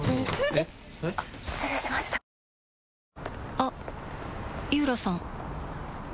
あっ井浦さん